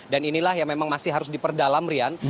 dan inilah yang memang masih harus diperdalam rian